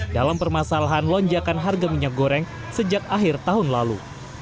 dalam permasalahan lonjakan harga minyak goreng sejak akhir tahun lalu